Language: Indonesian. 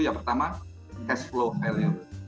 yang pertama cash flow value